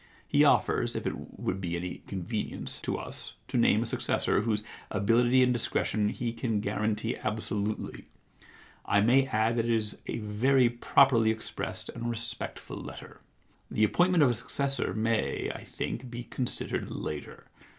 He offers, if it would be any con venience, to us, to name a successor whose ability and discretion he can guarantee ab solutely. I may add that it is a very properly expressed and respectful letter. * The appointment of a successor may, I think, be considered later.